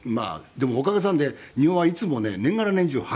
でもおかげさんで庭はいつもね年がら年中花だらけ。